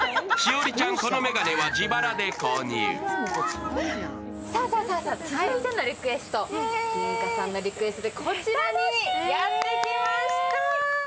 栞里ちゃん、この眼鏡は自腹で購入続いてのリクエスト、梨花さんのリクエストでこちらにやってきました。